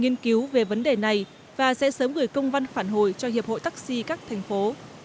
nghiên cứu về vấn đề này và sẽ sớm gửi công văn phản hồi cho hiệp hội taxi các thành phố